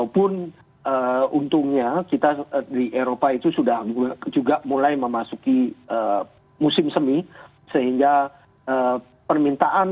proses yang lebih phillips